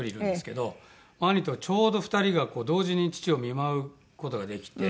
兄とちょうど２人が同時に父を見舞う事ができて。